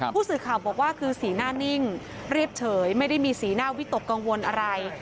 ผู้สื่อข่าวบอกว่าคือสีหน้านิ่งเรียบเฉยไม่ได้มีสีหน้าวิตกกังวลอะไร